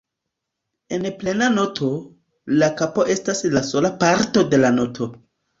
En plena noto, la kapo estas la sola parto de la noto.